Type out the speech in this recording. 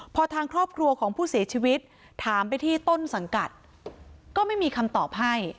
พอทางครอบครัวของผู้เสียชีวิตถามไปที่ต้นสังกัดก็ไม่มีคำตอบให้